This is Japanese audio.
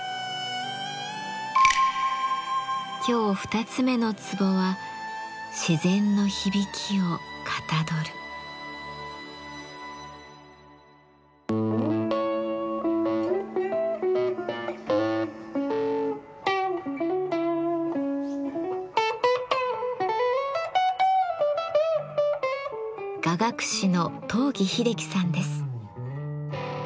今日２つ目の壺は雅楽師の東儀秀樹さんです。